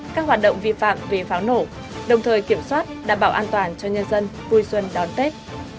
các hoạt động vi phạm về pháo nổ đồng thời kiểm soát đảm bảo an toàn cho nhân dân vui xuân đón tết